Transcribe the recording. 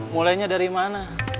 mulainya dari mana